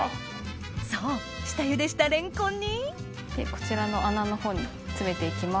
そう下ゆでしたレンコンにこちらの穴の方に詰めていきます。